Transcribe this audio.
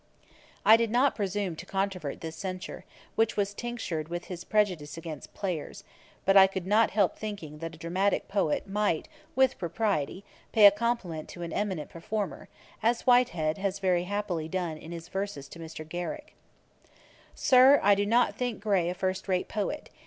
I did not presume to controvert this censure, which was tinctured with his prejudice against players; but I could not help thinking that a dramatick poet might with propriety pay a compliment to an eminent performer, as Whitehead has very happily done in his verses to Mr. Garrick. [Page 403: The abruptness of Gray's Ode. Ætat 54.] 'Sir, I do not think Gray a first rate poet.